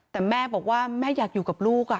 แต่แม่บอกว่าแม่อยากอยู่กับลูก